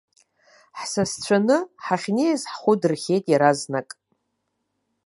Ҳсасцәаны, ҳахьнеиз ҳхәы дырхиеит иаразнак.